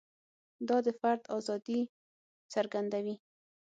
دا د فرد ازادي څرګندوي.